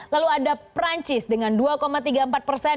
lalu ada perancis dengan dua tiga puluh empat persen